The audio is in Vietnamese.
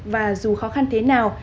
và dù khó khăn thế nào